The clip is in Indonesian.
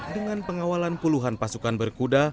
dengan pengawalan puluhan pasukan berkuda